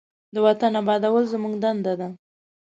د وطن آبادول زموږ دنده ده.